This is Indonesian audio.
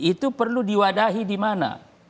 itu perlu diwadahi di mana